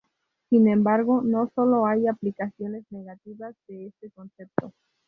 Sin embargo, no sólo hay aplicaciones negativas de este concepto.